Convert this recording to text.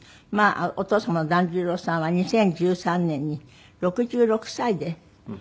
まあお父様の團十郎さんは２０１３年に６６歳で。